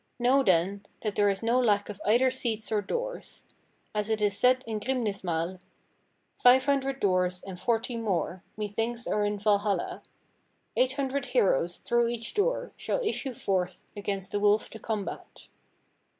Know, then, that there is no lack of either seats or doors. As it is said in Grimnismal: "'Five hundred doors And forty more Methinks are in Valhalla. Eight hundred heroes through each door Shall issue forth Against the wolf to combat.'"